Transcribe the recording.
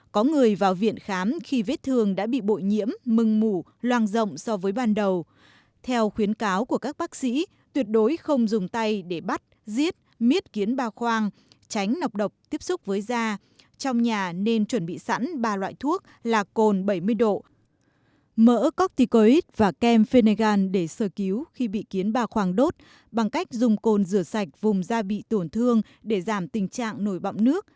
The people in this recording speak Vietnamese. có người vào viện khám khi vết thương đã bị bội nhiễm mừng mủ loang rộng so với ban đầu theo khuyến cáo của các bác sĩ tuyệt đối không dùng tay để bắt giết miết kiến ba khoang tránh nọc độc tiếp xúc với da trong nhà nên chuẩn bị sẵn ba loại thuốc là cồn bảy mươi độ mỡ cocticoid và kem pheneggan để sơ cứu khi bị kiến ba khoang đốt bằng cách dùng cồn rửa sạch vùng da bị tổn thương để giảm tình trạng nổi bọng nước